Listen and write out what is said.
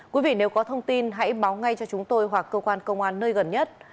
quý vị nếu có thông tin hãy báo ngay cho chúng tôi hoặc cơ quan công an nơi gần nhất